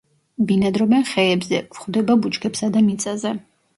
ბინადრობენ ხეებზე, გვხვდება ბუჩქებსა და მიწაზე.